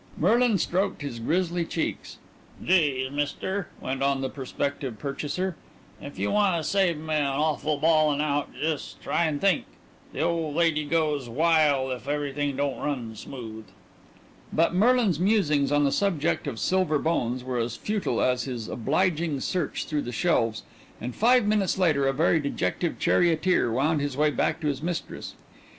Merlin, stroked his grizzly cheeks. "Gees, Mister," went on the prospective purchaser, "if you wanna save me an awful bawln' out jes' try an' think. The old lady goes wile if everything don't run smooth." But Merlin's musings on the subject of Silver Bones were as futile as his obliging search through the shelves, and five minutes later a very dejected charioteer wound his way back to his mistress.